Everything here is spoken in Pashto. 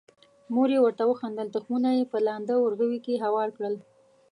مور یې ورته وخندل، تخمونه یې په لانده ورغوي کې هوار کړل.